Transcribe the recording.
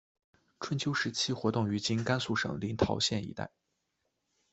春秋时期活动于今甘肃省临洮县一带。